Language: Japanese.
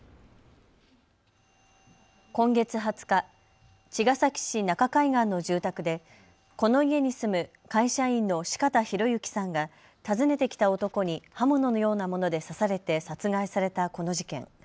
今月２０日、茅ヶ崎市中海岸の住宅で、この家に住む会社員の四方洋行さんが訪ねてきた男に刃物のようなもので刺されて殺害されたこの事件。